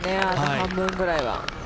半分ぐらいは。